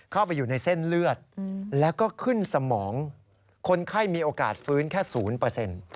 เข้าไปอยู่ในเส้นเลือดแล้วก็ขึ้นสมองคนไข้มีโอกาสฟื้นแค่๐